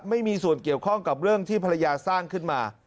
ไม่มีส่วนเกี่ยวข้องกับเรื่องที่ภรรยาสร้างขึ้นมา